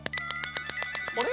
あれ？